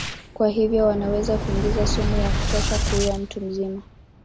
Kwa hivyo wanaweza kuingiza sumu ya kutosha kuua mtu mzima.